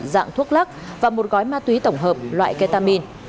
dạng thuốc lắc và một gói ma túy tổng hợp loại ketamin